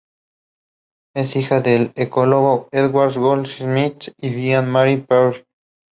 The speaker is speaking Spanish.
Ella es la hija del ecólogo Edward Goldsmith y Gillian Marion Pretty.